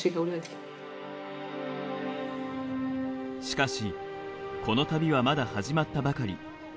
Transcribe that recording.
しかしこの旅はまだ始まったばかり。